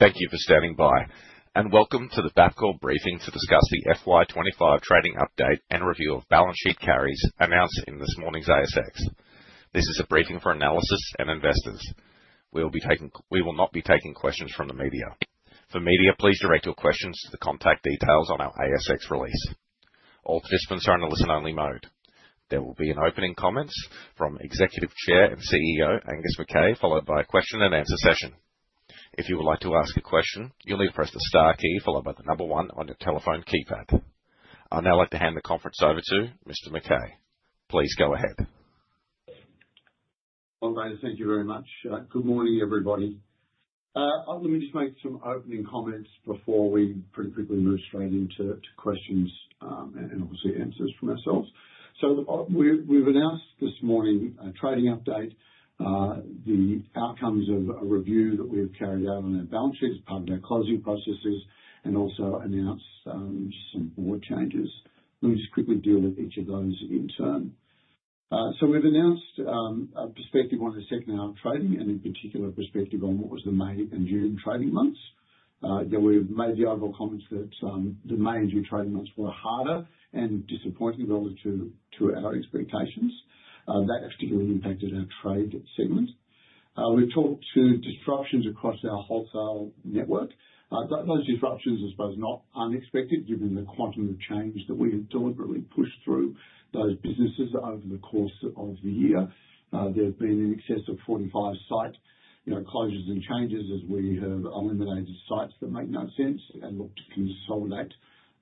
Thank you for standing by, and welcome to the Bapcor briefing to discuss the FY25 trading update and review of balance sheet carries announced in this morning's ASX. This is a briefing for analysts and investors. We will not be taking questions from the media. For media, please direct your questions to the contact details on our ASX release. All participants are in a listen-only mode. There will be opening comments from Executive Chair and CEO Angus McKay, followed by a question-and-answer session. If you would like to ask a question, you'll need to press the star key, followed by the number one on your telephone keypad. I'd now like to hand the conference over to Mr. McKay. Please go ahead. Online, thank you very much. Good morning, everybody. Let me just make some opening comments before we pretty quickly move straight into questions, and obviously answers from ourselves. We've announced this morning a trading update, the outcomes of a review that we've carried out on our balance sheet as part of our closing processes, and also announced some board changes. Let me just quickly deal with each of those in turn. We've announced a perspective on the second half of trading, and in particular, a perspective on what was the May and June trading months. There were major overall comments that the May and June trading months were harder and disappointing relative to our expectations. That has particularly impacted our trade segment. We're talking through disruptions across our wholesale network. Those disruptions, I suppose, are not unexpected given the quantum of change that we have deliberately pushed through those businesses over the course of the year. There have been in excess of 45 site closures and changes as we have eliminated sites that make no sense and looked to consolidate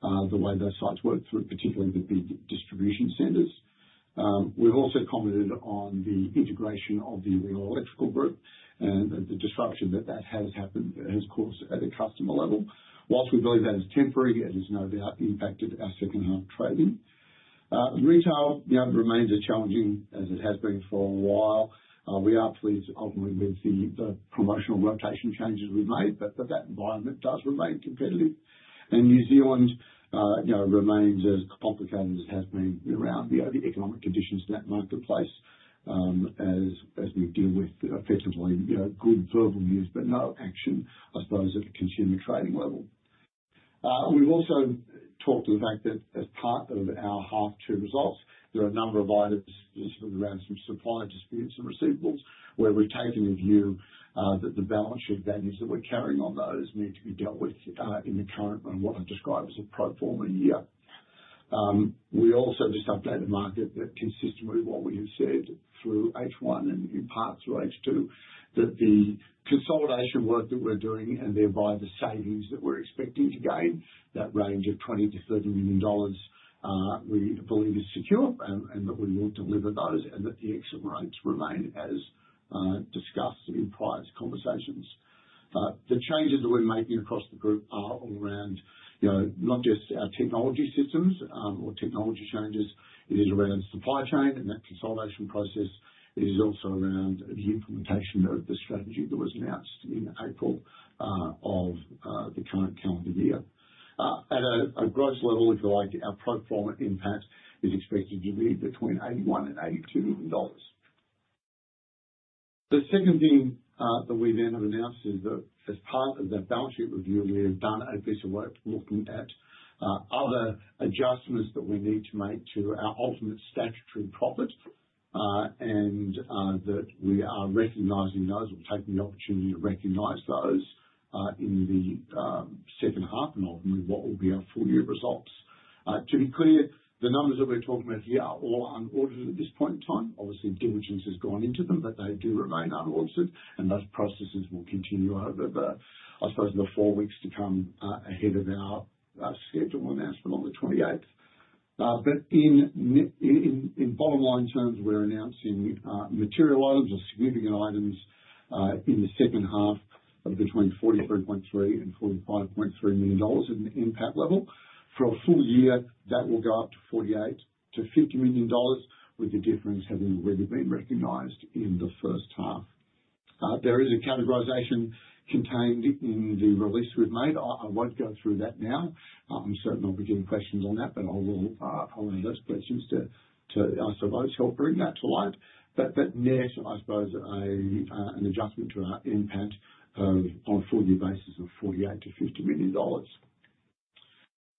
the way those sites work through, particularly the big distribution centers. We've also commented on the integration of the Renewable Electrical Group and the disruption that that has happened in its course at a customer level. Whilst we believe that is temporary, it has no doubt impacted our second half of trading. Retail remains as challenging as it has been for a while. We are pleased, ultimately, with the promotional rotation changes we've made, but that environment does remain competitive. New Zealand remains as complicated as it has been around the other economic conditions that might have took place, as we deal with effectively good, fervent news, but no action, I suppose, at the consumer trading level. We've also talked to the fact that as part of our half-term results, there are a number of items specifically around some supply disputes and receivables where we've taken in view that the balance sheet values that we're carrying on those need to be dealt with in the current and what I describe as a pro forma year. We also just updated the market that, consistent with what we have said through H1 and in part through H2, the consolidation work that we're doing and thereby the savings that we're expecting to gain, that range of $20-$30 million, we believe is secure and that we will deliver those and that the exit rates remain as discussed in prior conversations. The changes that we're making across the group are all around, you know, not just our technology systems or technology changes. It is around supply chain, and that consolidation process is also around the implementation of the strategy that was announced in April of the current calendar year. At a gross level, if you like, our pro forma impact is expected to be between $81 and $82 notes. The second thing that we then have announced is that as part of that balance sheet review, we have done a piece of work looking at other adjustments that we need to make to our ultimate statutory profit, and that we are recognizing those and taking the opportunity to recognize those in the second half and ultimately what will be our full-year results. To be clear, the numbers that we're talking about here are all unaudited at this point in time. Obviously, diligence has gone into them, but they do remain unaudited, and those processes will continue over the, I suppose, the four weeks to come, ahead of our scheduled announcement on the 28th. In bottom-line terms, we're announcing material items or significant items in the second half of between $43.3 million and $45.3 million at an impact level. For a full year, that will go up to $48-$50 million, with the difference having already been recognized in the first half. There is a categorization contained in the release we've made. I won't go through that now. I'm certain I'll be getting questions on that, but I will invite questions to, I suppose, help bring that to light. That's next, I suppose, an adjustment to our impact on a full-year basis of $48-$50 million.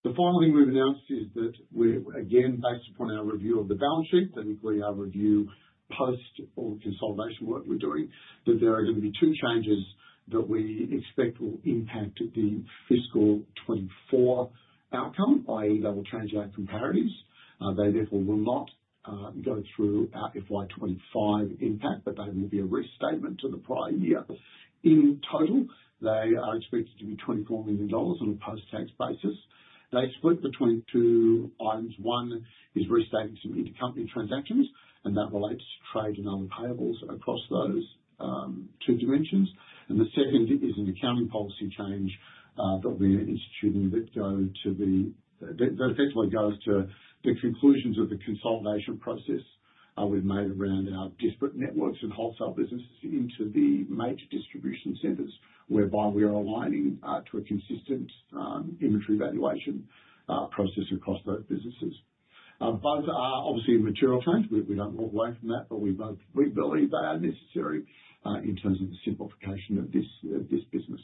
The final thing we've announced is that we're, again, based upon our review of the balance sheet and including our review post all the consolidation work we're doing, that there are going to be two changes that we expect will impact the fiscal 2024 outcome, i.e., those transaction carriers. They, therefore, will not go through our FY25 impact, but they will be a restatement to the prior year. In total, they are expected to be $24 million on a post-tax basis. They split between two items. One is restating some intercompany transactions, and that relates to trade and other payables across those two dimensions. The second is an accounting policy change that we are instituting that effectively goes to the conclusions of the consolidation process we've made around our disparate networks of wholesale businesses into the major distribution centers, whereby we are aligning to a consistent inventory valuation process across those businesses. Both are obviously a material change. We don't walk away from that, but we both believe they are necessary in terms of the simplification of this business.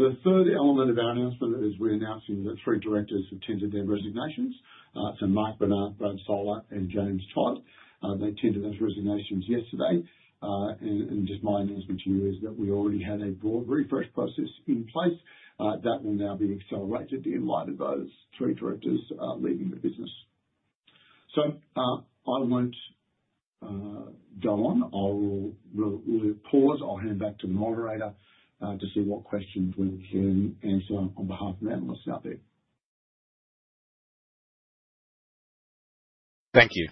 The third element of our announcement is we're announcing that three directors have tendered their resignations: Mark Bernhard, Brad Soler, and James Todd. They tendered those resignations yesterday. My announcement to you is that we already had a broad refresh process in place that will now be accelerated in light of those three directors leaving the business. I won't go on. We'll pause. I'll hand back to the moderator to see what questions we can answer on behalf of the analysts out there. Thank you.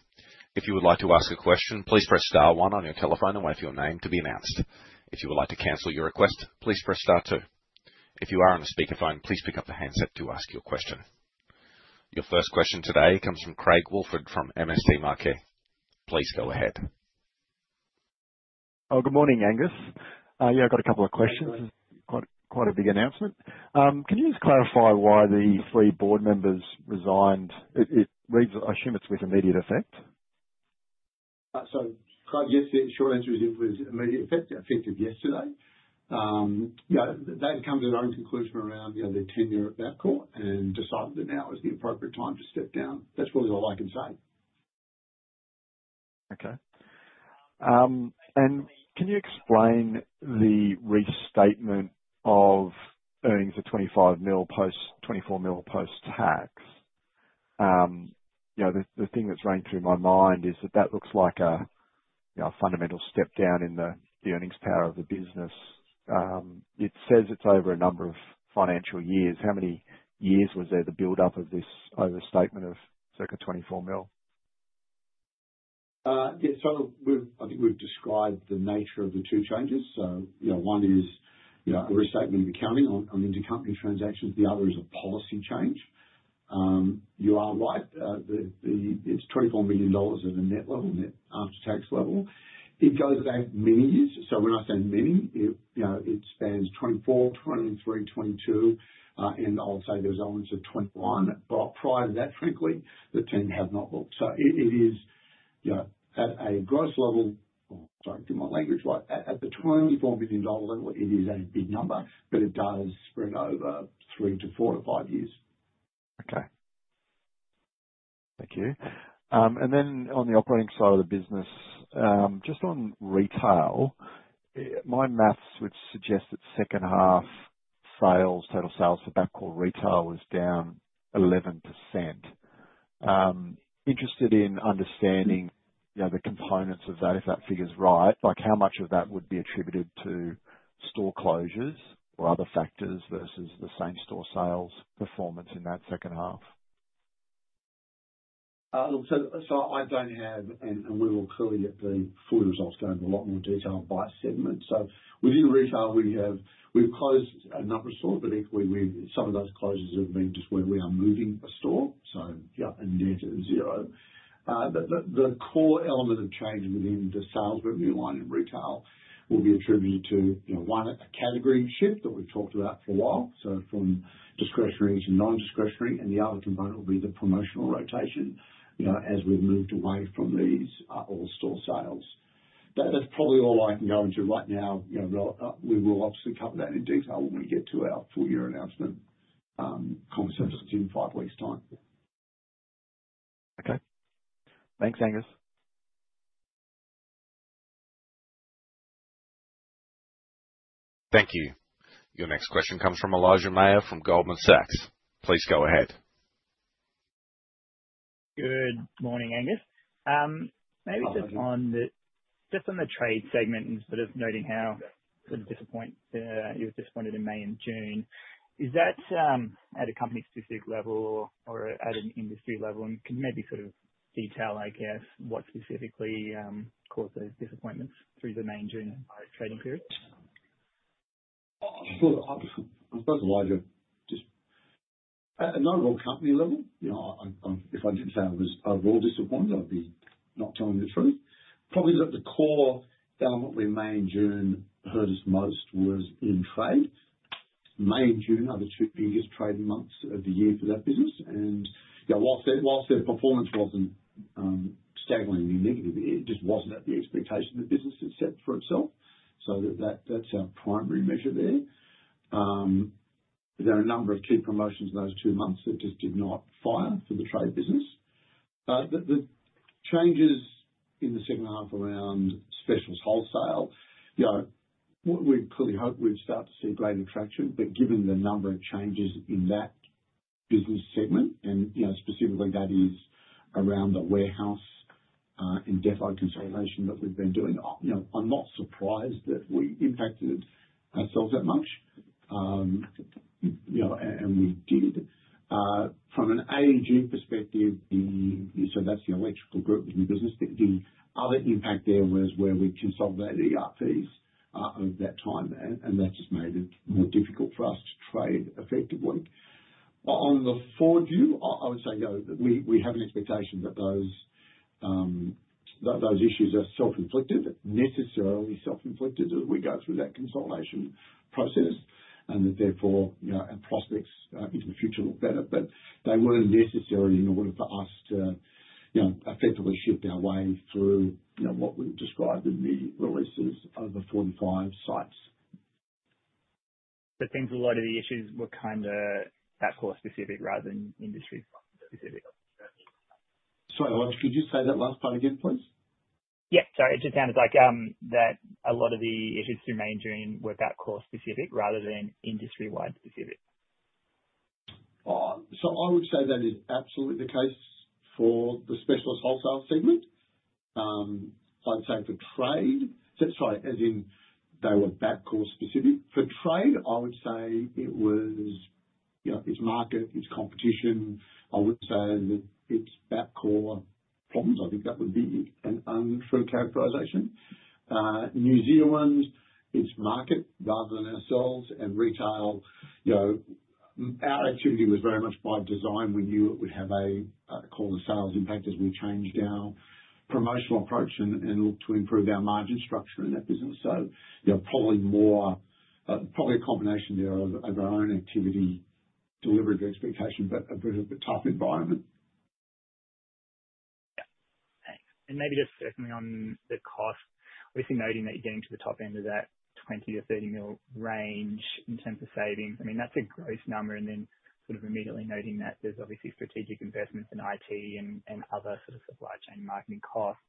If you would like to ask a question, please press star one on your telephone and wait for your name to be announced. If you would like to cancel your request, please press star two. If you are on a speakerphone, please pick up the handset to ask your question. Your first question today comes from Craig Woolford from MST Marquee. Please go ahead. Oh, good morning, Angus. I got a couple of questions. It's quite, quite a big announcement. Can you just clarify why the three board members resigned? It reads, I assume it's with immediate effect? Craig, yes, the short answer is it was immediate effect, effective yesterday. They'd come to their own conclusion around their tenure at Bapcor and decided that now it was the appropriate time to step down. That's really all I can say. Okay. Can you explain the restatement of earnings at $25 million post, $24 million post-tax? You know, the thing that's running through my mind is that that looks like a fundamental step down in the earnings power of the business. It says it's over a number of financial years. How many years was there the build-up of this overstatement of circa $24 million? Yes, so I think we've described the nature of the two changes. One is a restatement of accounting on intercompany transactions. The other is a policy change. You are right. It's $24 million at a net level, net after-tax level. It goes down many years. When I say many, it spans 2024, 2023, 2022, and I'll say there's elements of 2021. Prior to that, frankly, the team have not looked. At the $24 million level, it is a big number, but it does spread over three-four-five years. Okay. Thank you. On the operating side of the business, just on retail, my maths would suggest that second-half sales, total sales for Bapcor retail was down 11%. Interested in understanding, you know, the components of that, if that figure's right, like how much of that would be attributed to store closures or other factors versus the same store sales performance in that second half? I don't have, and we will clearly get the full results down in a lot more detail by segment. Within the retail, we've closed a number of stores, but equally, some of those closures have been just where we are moving a store. The core element of change within the sales revenue line in retail will be attributed to, you know, one, a category shift that we've talked about for a while, from discretionary to non-discretionary. The other component will be the promotional rotation, as we've moved away from these all-store sales. That's probably all I can go into right now. We will obviously cover that in detail when we get to our full-year announcement conversations in five weeks' time. Okay. Thanks, Angus. Thank you. Your next question comes from Elijah Mayr from Goldman Sachs. Please go ahead. Good morning, Angus. Maybe just on the trade segment, instead of noting how disappointed you were in May and June, is that at a company-specific level or at an industry level? Can you maybe sort of detail what specifically caused those disappointments through the May and June trading periods? I suppose, Elijah, just at a no-go-company level, if I didn't say I was overall disappointed, that would be not telling you the truth. Probably the core element where May and June hurt us most was in trade. May and June are the two biggest trading months of the year for that business, and whilst their performance wasn't stable in the negative, it just wasn't at the expectation that business had set for itself. That's our primary measure there. There are a number of key promotions in those two months that just did not fire for the trade business. The changes in the second half around specialist wholesale, we'd clearly hoped we'd start to see greater traction. Given the number of changes in that business segment, specifically that is around the warehouse and depot consolidation that we've been doing, I'm not surprised that we impacted ourselves that much, and we did. From an AAD perspective, so that's the electrical group in the business, the other impact there was where we consolidated the ERPs over that time, and that just made it more difficult for us to trade effectively. On the forward view, I would say we have an expectation that those issues are self-inflicted, necessarily self-inflicted as we go through that consolidation process, and that therefore our prospects into the future look better. They weren't necessary in a way for us to effectively shift our way through what we've described in the releases of the 45 sites. It seems a lot of the issues were kind of that core specific rather than industry specific. Sorry, Elijah, could you say that last part again, please? Sorry. It just sounded like a lot of the issues through May and June were Bapcor specific rather than industry-wide specific. I would say that is absolutely the case for the specialist wholesale segment. I'd say for trade, that's right, as in they were that core specific. For trade, I would say it was, you know, it's market, it's competition. I wouldn't say that it's Bapcor problems. I think that would be an unfair characterization. New Zealand, it's market rather than ourselves. In retail, our activity was very much by design. We knew it would have a core sales impact as we changed our promotional approach and looked to improve our margin structure in that business. Probably more, probably a combination there of our own activity delivering the expectation, but a bit of a tough environment. Thanks. Maybe just circling on the cost, obviously noting that you're getting to the top end of that $20-$30 million range in terms of savings. That's a gross number. Immediately noting that there's obviously strategic investments in IT and other supply chain marketing costs.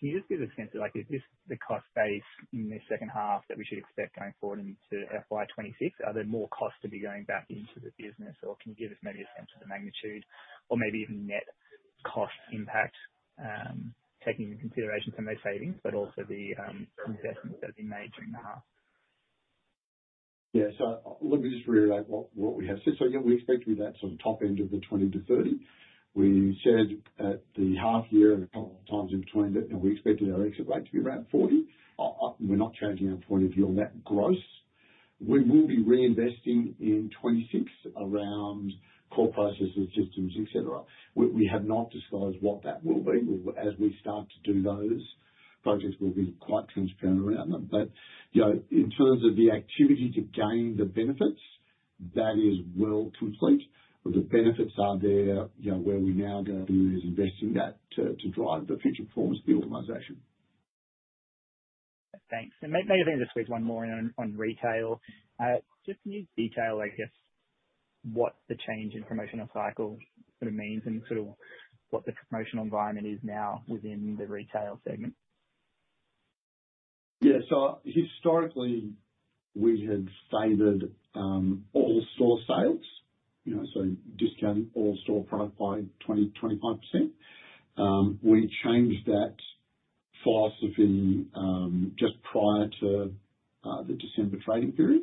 Can you just give us a sense of, like, is this the cost base in this second half that we should expect going forward into FY2026? Are there more costs to be going back into the business, or can you give us maybe a sense of the magnitude or maybe even net cost impact, taking into consideration some of those savings, but also the investments that have been made during the half? Yeah. Let me just reiterate what we have said. We expect to be at that sort of top end of the 20 to 30. We said at the half year, a couple of times in between, that we expected our exit rate to be around 40. We're not changing our point of view on that gross. We will be reinvesting in 2026 around core processes, systems, etc. We have not disclosed what that will be. We will, as we start to do those projects, be quite transparent around them. In terms of the activity to gain the benefits, that is well complete. The benefits are there. Where we now go to is invest in that to drive the future performance of the organization. Thanks. Maybe I'll just leave one more in on retail. Can you detail, I guess, what the change in promotional cycle means and what the promotional environment is now within the retail segment? Yeah. Historically, we have favored all-store sales, you know, discounting all-store product by 20%, 25%. We changed that philosophy just prior to the December trading period,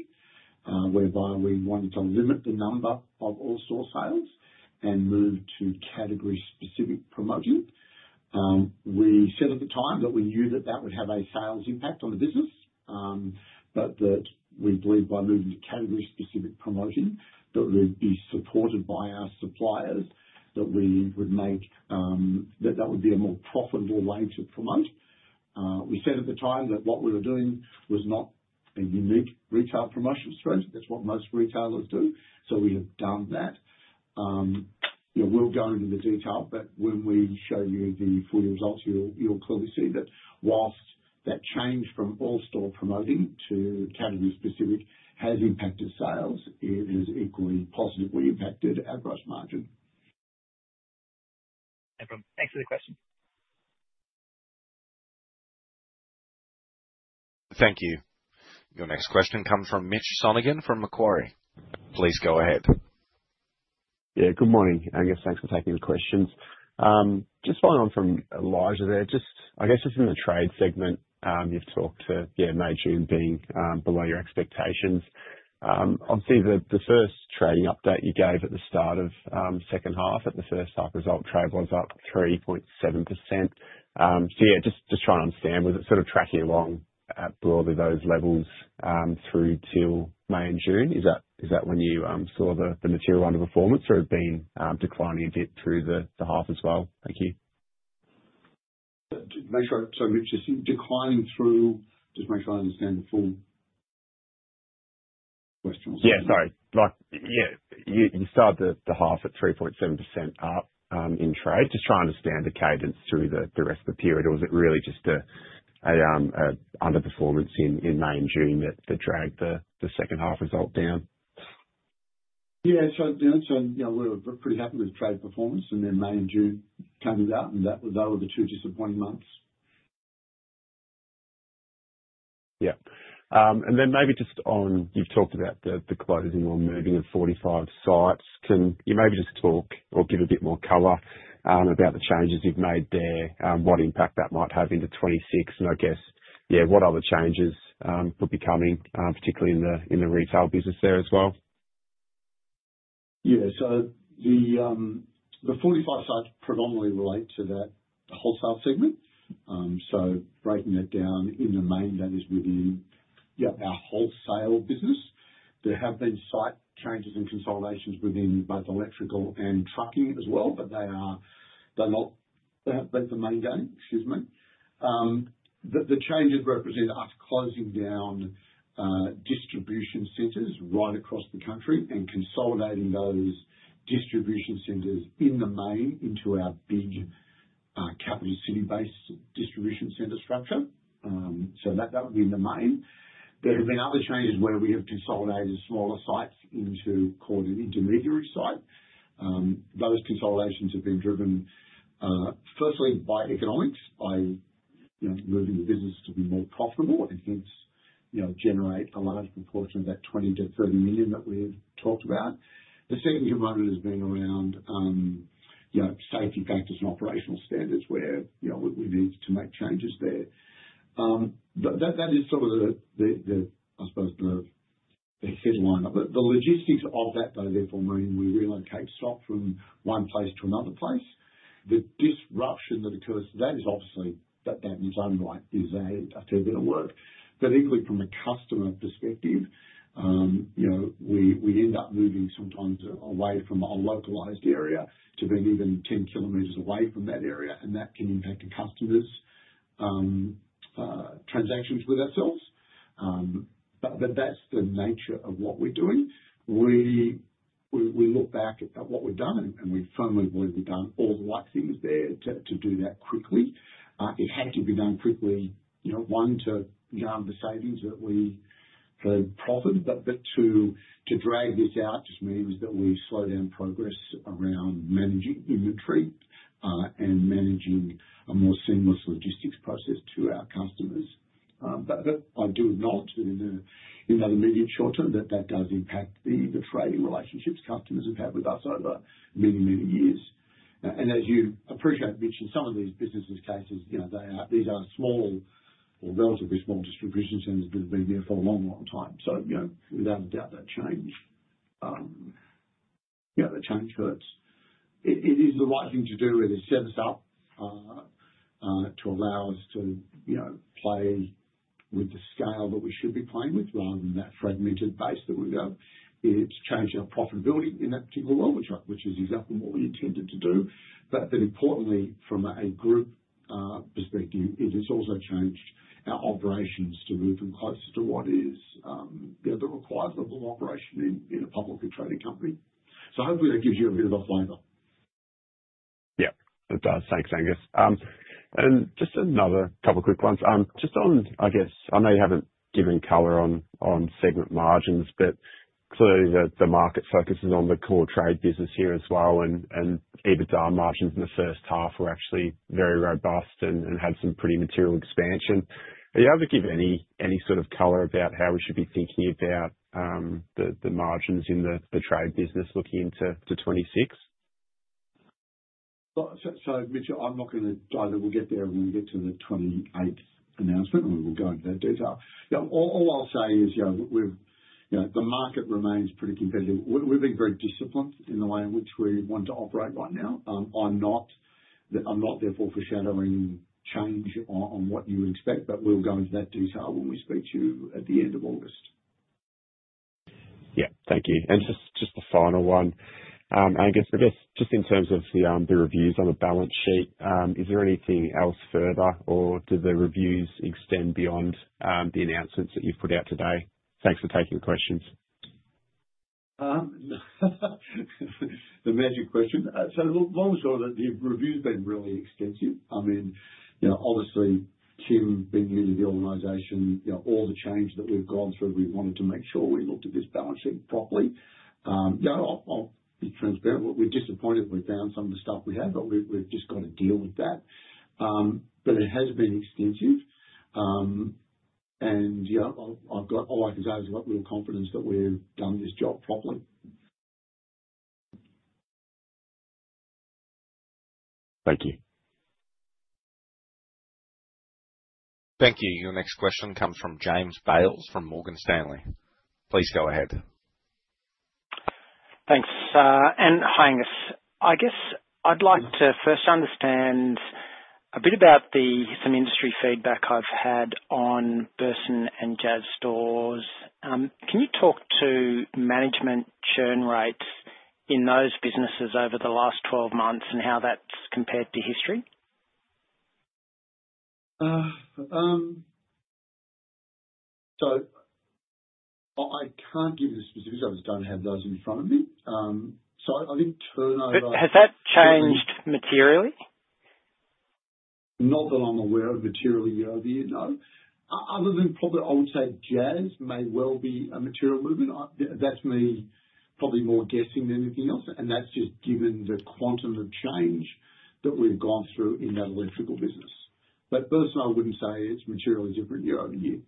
whereby we wanted to limit the number of all-store sales and move to category-specific promotion. We said at the time that we knew that would have a sales impact on the business, but that we believed by moving to category-specific promotion, that would be supported by our suppliers, that we would make, that that would be a more profitable way to promote. We said at the time that what we were doing was not a unique retail promotion strategy. That's what most retailers do. We have done that. You know, we'll go into the detail, but when we show you the full-year results, you'll clearly see that whilst that change from all-store promoting to category-specific has impacted sales, it has equally positively impacted our gross margin. Excellent question. Thank you. Your next question comes from Mitchell Sonogan from Macquarie. Please go ahead. Good morning, Angus. Thanks for taking the questions. Just following on from Elijah there, in the trade segment, you've talked to May, June being below your expectations. Obviously, the first trading update you gave at the start of the second half, at the first half result, trade was up 3.7%. Just trying to understand, was it sort of tracking along broadly those levels through till May and June? Is that when you saw the material underperformance or has it been declining a bit through the half as well? Thank you. I'm sorry, Mitch, just make sure I understand the full question. Yeah, sorry. You started the half at 3.7% up in trade. Just trying to understand the cadence through the rest of the period, or was it really just an underperformance in May and June that dragged the second half result down? Yeah, it shut down. We were pretty happy with trade performance, and then May and June come with that, and that was, those were the two disappointing months. Yeah, and then maybe just on, you've talked about the closing or moving of 45 sites. Can you maybe just talk or give a bit more color about the changes you've made there, what impact that might have into 2026, and I guess, yeah, what other changes could be coming, particularly in the retail business there as well? Yeah, so the 45 sites predominantly relate to that wholesale segment. Breaking it down, in the main that is within our wholesale business. There have been site changes and consolidations within both electrical and trucking as well, but they are not, they haven't been for many days, excuse me. The changes represent us closing down distribution centers right across the country and consolidating those distribution centers in the main into our big, capital city-based distribution center structure. That would be in the main. There have been other changes where we have consolidated smaller sites into what is called an intermediary site. Those consolidations have been driven, firstly by economics, by moving the business to be more profitable and hence generate a large proportion of that $20-$30 million that we have talked about. The second component has been around safety factors and operational standards where we have looked to make changes there. That is sort of the, I suppose, the fed line. The logistics of that, therefore, mean we relocate stock from one place to another place. The disruption that occurs to that is obviously that bad news landing light, is a fair bit of work. Equally, from a customer perspective, we end up moving sometimes away from a localized area to being even 10 kms away from that area, and that can impact the customer's transactions with ourselves. That is the nature of what we're doing. We look back at what we've done, and we firmly believe we've done all the right things there to do that quickly. It had to be done quickly, one, to yarn the savings that we for profit, but two, to drag this out just means that we slow down progress around managing inventory and managing a more seamless logistics process to our customers. I do acknowledge that in the immediate short term, that does impact the trading relationships customers have had with us over many, many years. As you appreciate, Mitch and Simon, these businesses' cases, they are, these are small or relatively small distribution centers that have been there for a long, long time. Without a doubt, that change, yeah, that change hurts. It is the right thing to do where they serve us up, to allow us to, you know, play with the scale that we should be playing with rather than that fragmented base that we've got. It's changed our profitability in that particular role, which is exactly what we intended to do. Importantly, from a group perspective, it has also changed our operations to move them closer to what is, you know, the required level of operation in a publicly traded company. Hopefully, that gives you a bit of a flavor. Yeah, it does. Thanks, Angus. Just another couple of quick ones. Just on, I guess, I know you haven't given color on segment margins, but clearly the market focuses on the core trade business here as well. Even our margins in the first half were actually very robust and had some pretty material expansion. Are you able to give any sort of color about how we should be thinking about the margins in the trade business looking into 2026? Mitch, I'm not going to, I know we'll get there when we get to the '28 announcement, and we will go into that detail. All I'll say is, you know, we've, you know, the market remains pretty competitive. We've been very disciplined in the way in which we want to operate right now. I'm not therefore foreshadowing change on what you expect, but we'll go into that detail when we speak to you at the end of August. Thank you. Just the final one. Angus, I guess just in terms of the reviews on the balance sheet, is there anything else further, or do the reviews extend beyond the announcements that you've put out today? Thanks for taking the questions. The major question. Long story short, the review's been really extensive. I mean, obviously, Tim being new to the organization, all the change that we've gone through, we wanted to make sure we looked at this balance sheet properly. I'll be transparent. We're disappointed we found some of the stuff we have, but we've just got to deal with that. It has been extensive, and all I can say is that we have confidence that we've done this job properly. Thank you. Thank you. Your next question comes from James Bales from Morgan Stanley. Please go ahead. Thanks. Angus, I guess I'd like to first understand a bit about some industry feedback I've had on Burson and JAS stores. Can you talk to management churn rates in those businesses over the last 12 months and how that's compared to history? I can't give you the specifics. I just don't have those in front of me. I didn't turn over. Has that changed materially? Not that I'm aware of materially, other than probably I would say JAS may well be a material movement. That's me probably more guessing than anything else, and that's just given the quantum of change that we've gone through in that electrical business. But personal, I wouldn't say it's materially different year-over-year.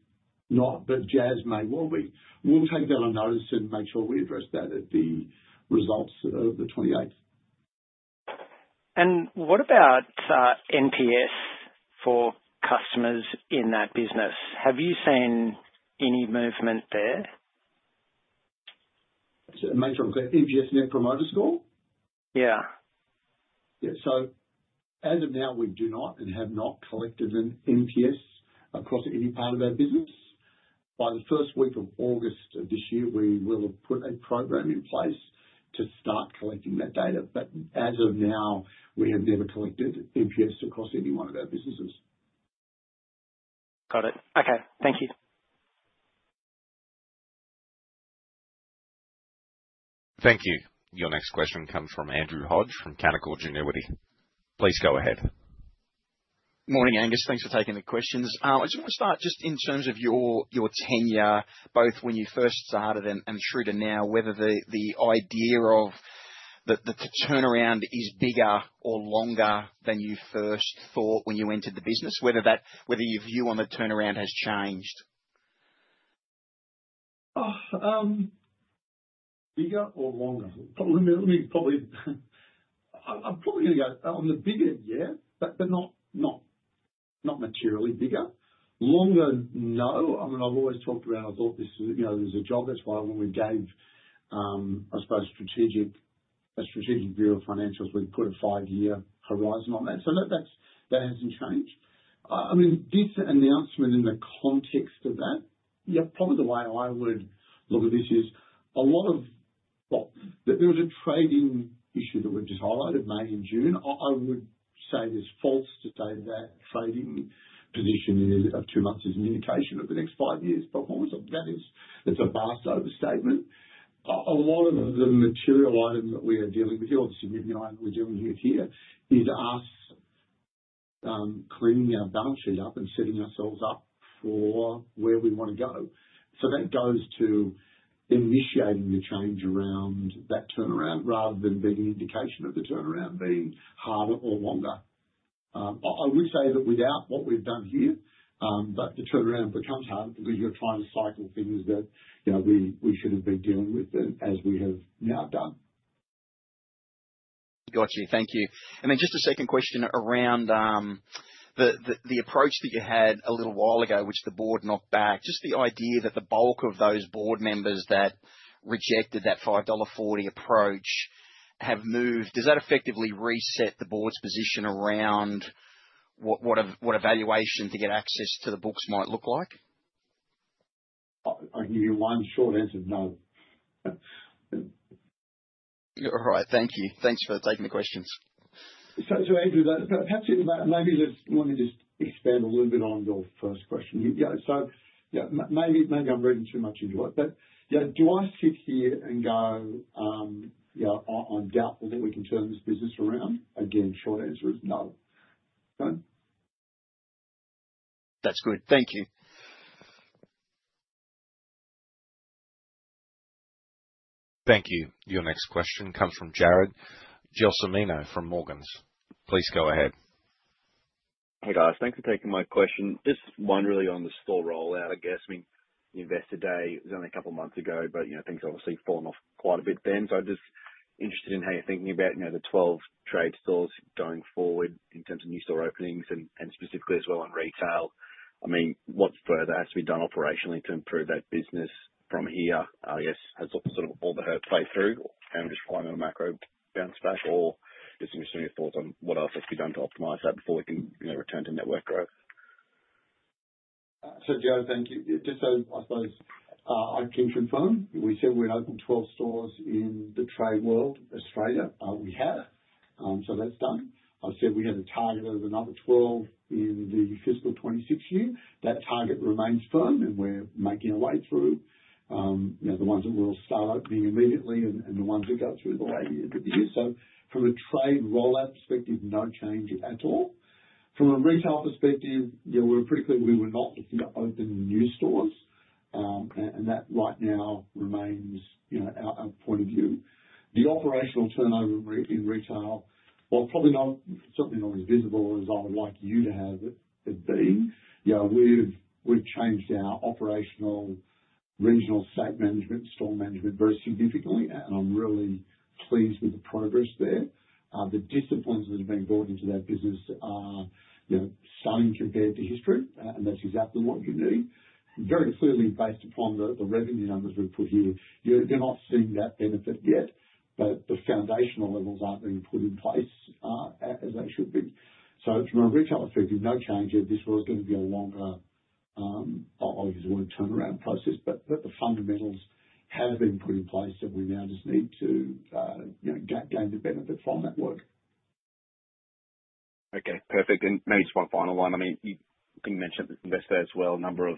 JAS may well be. We'll take that on notice and make sure we address that at the results of 2028. What about NPS for customers in that business? Have you seen any movement there? The major complaint is yes, and then promoter score. Yeah. Yeah, as of now, we do not and have not collected an NPS across any part of our business. By the first week of August of this year, we will have put a program in place to start collecting that data. As of now, we have never collected NPS across any one of our businesses. Got it. Okay, thank you. Thank you. Your next question comes from Andrew Hodge from Canaccord Genuity. Please go ahead. Morning, Angus. Thanks for taking the questions. I just want to start in terms of your tenure, both when you first started and through to now, whether the idea that the turnaround is bigger or longer than you first thought when you entered the business, whether your view on the turnaround has changed. Bigger or longer? I'm probably going to go on the bigger, yeah, but not materially bigger. Longer, no. I mean, I've always talked about I thought this was, you know, this was a job. That's why when we gave, I suppose, a strategic view of financials, we put a five-year horizon on that. That hasn't changed. I mean, this announcement in the context of that, yeah, probably the way I would look at this is a lot of, well, there was a trading issue that we've just highlighted, May and June. I would say it's false to say that trading condition in two months is an indication of the next five years' performance. That is a biased statement. A lot of the material item that we are dealing with, you know, the significant item that we're dealing with here is us cleaning our balance sheet up and setting ourselves up for where we want to go. That goes to initiating the change around that turnaround rather than being an indication of the turnaround being harder or longer. I would say that without what we've done here, the turnaround becomes harder because you're trying to cycle things that we should have been dealing with as we have now done. Thank you. Just a second question around the approach that you had a little while ago, which the board knocked back. The idea that the bulk of those board members that rejected that $5.40 approach have moved, does that effectively reset the board's position around what a valuation to get access to the bookmark's might look like? I can give you one short answer, no. You're all right. Thank you. Thanks for taking the questions. Andrew, perhaps you might want to expand a little bit on your first question. Yeah, maybe I'm reading too much into it, but do I sit here and go, you know, I doubt whether we can turn this business around? Again, short answer is no. That's good. Thank you. Thank you. Your next question comes from Jared Giosimino from Morgans. Please go ahead. Hey guys, thanks for taking my question. Just one really on the store rollout, I guess. I mean, the Investor Day was only a couple of months ago, but things have obviously fallen off quite a bit then. I'm just interested in how you're thinking about the 12 trade stores going forward in terms of new store openings, and specifically as well on retail. I mean, what further has to be done operationally to improve that business from here? I guess, has all the hurt played through from Angus McKay and Mark Bernhard's perspective, or just some serious thoughts on what else has to be done to optimize that before we can return to network growth? Jared, thank you. Just so I suppose I can confirm, we said we're open 12 stores in the trade world, Australia. We have, so that's done. I've said we have a target of another 12 in the fiscal 2026 year. That target remains firm, and we're making our way through the ones that will start opening immediately and the ones that go through the way we did here. From a trade rollout perspective, no change at all. From a retail perspective, we're pretty clear we were not looking to open new stores, and that right now remains our point of view. The operational turnover in retail, probably not, certainly not as visible as I would like you to have it been. We've changed our operational regional site management, store management very significantly, and I'm really pleased with the progress there. The disciplines that have been brought into that business are stunning compared to history, and that's exactly what you need. Very clearly based upon the revenue numbers we've put here, you're not seeing that benefit yet, but the foundational levels are being put in place, as they should be. From a retail perspective, no change yet. This was going to be a longer, I'll use the word turnaround process, but the fundamentals have been put in place, and we now just need to gain the benefit from that work. Okay. Perfect. Maybe just one final one. You didn't mention it, but Investor as well, a number of,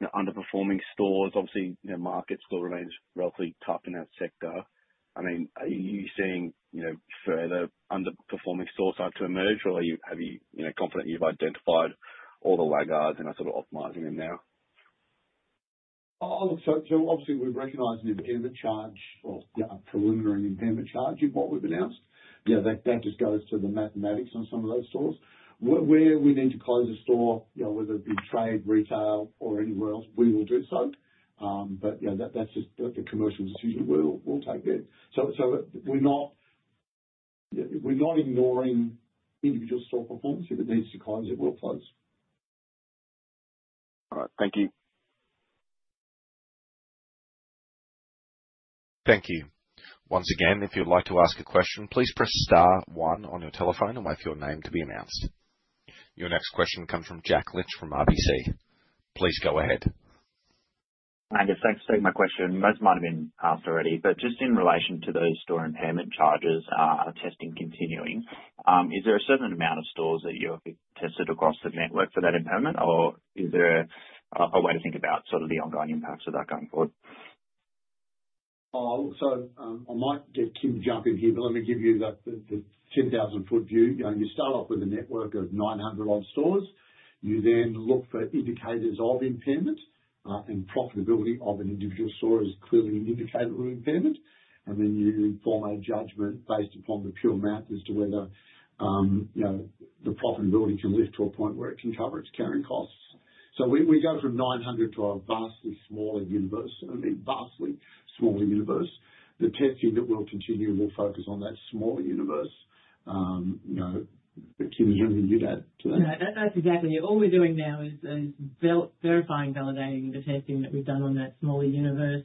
you know, underperforming stores. Obviously, you know, market still remains relatively tough in that sector. Are you seeing, you know, further underperforming stores start to emerge, or are you, have you, you know, confident you've identified all the laggards and are sort of optimizing them now? Look, obviously we're recognizing independent charge, yeah, a preliminary independent charge in what we've announced. That just goes to the mathematics on some of those stores. Where we need to close a store, you know, whether it be trade, retail, or anywhere else, we will do so. That's just a commercial decision we'll take there. We're not ignoring individual store performance. If it needs to close, we'll close. All right. Thank you. Thank you. Once again, if you'd like to ask a question, please press star one on your telephone and wait for your name to be announced. Your next question comes from Jack Lynch from RBC. Please go ahead. Angus, thanks for taking my question. Most might have been asked already, but just in relation to those store impairment charges, are testing continuing? Is there a certain amount of stores that you're tested across the network for that impairment, or is there a way to think about the ongoing impacts of that going forward? I might, if Tim's jumping here, but let me give you the 10,000-foot view. You start off with a network of 900-odd stores. You then look for indicators of impairment, and profitability of an individual store is clearly an indicator of impairment. You then form a judgment based upon the pure math as to whether the profitability can lift to a point where it can cover its carrying costs. We go from 900 to a vastly smaller universe, a vastly smaller universe. The testing that we'll continue will focus on that smaller universe. You know, Tim, you're going to give that. Yeah, that's exactly what we're doing now, verifying, validating the testing that we've done on that smaller universe,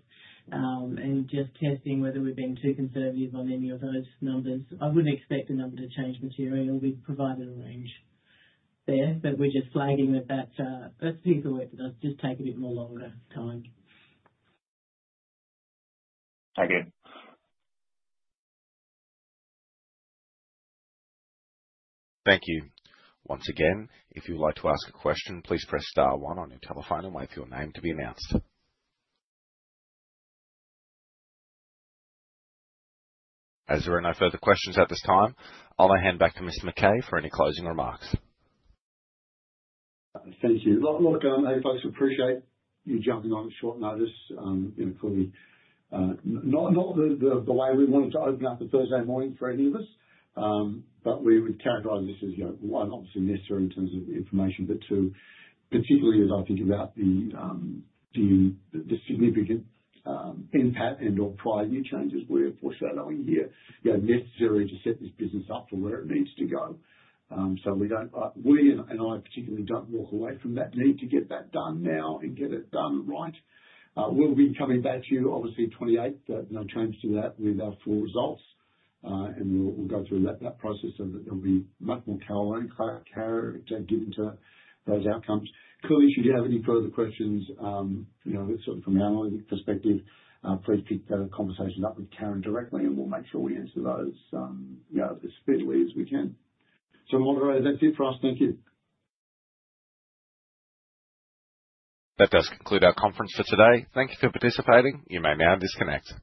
and just testing whether we're being too conservative on any of those numbers. I wouldn't expect the number to change materially. We've provided a range there, but we're just flagging that that's a piece of work that does just take a bit more longer time. Thank you. Thank you. Once again, if you would like to ask a question, please press star one on your telephone and wait for your name to be announced. As there are no further questions at this time, I'll now hand back to Mr. McKay for any closing remarks. Thank you. I'm happy folks appreciate you jumping on at short notice. Clearly, not the way we wanted to open up the Thursday morning for any of us. We would characterize this as, one, obviously necessary in terms of information, but two, particularly as I think about the significant impact and/or pricing changes we're foreshadowing here, necessary to set this business up for where it needs to go. I don't walk away from that need to get that done now and get it done right. We'll be coming back to you, obviously, 2028, but no terms to that with our full results. We'll go through that process so that there'll be much more color and clarity to get into those outcomes. Clearly, should you have any further questions, that's certainly from an analytic perspective, please pick the conversation up with Karen directly, and we'll make sure we answer those as efficiently as we can. Moderator, that's it for us. Thank you. That does conclude our conference for today. Thank you for participating. You may now disconnect.